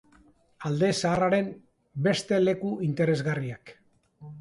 Alde Zaharraren beste leku interesgarriak.